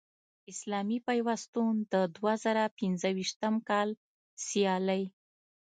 اسلامي پیوستون د دوه زره پنځویشتم کال سیالۍ